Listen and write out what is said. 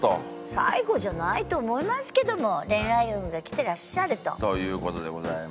最後じゃないと思いますけども恋愛運が来てらっしゃると。という事でございます。